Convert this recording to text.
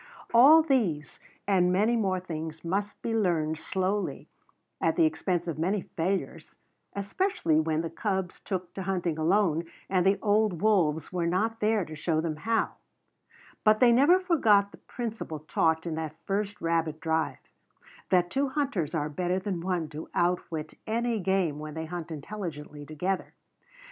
All these and many more things must be learned slowly at the expense of many failures, especially when the cubs took to hunting alone and the old wolves were not there to show them how; but they never forgot the principle taught in that first rabbit drive, that two hunters are better than one to outwit any game when they hunt intelligently together.